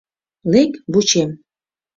Лек, вучем».